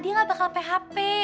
dia gak bakal php